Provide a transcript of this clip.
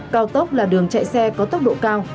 cao tốc là đường chạy xe có tốc độ cao